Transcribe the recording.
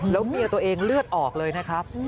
แล้วเมียตัวเองเลือดออกเลยนะครับ